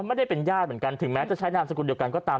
ไม่ได้เป็นญาติเหมือนกันถึงแม้จะใช้นามสกุลเดียวกันก็ตาม